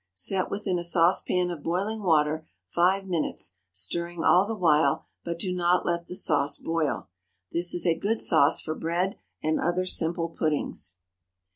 Set within a saucepan of boiling water five minutes, stirring all the while, but do not let the sauce boil. This is a good sauce for bread and other simple puddings.